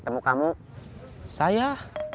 aku nunggu di sini aja